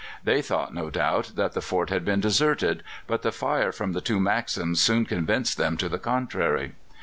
They thought, no doubt, that the fort had been deserted, but the fire from two Maxims soon convinced them to the contrary.